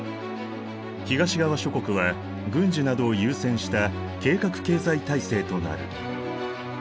東側諸国は軍需などを優先した計画経済体制となる。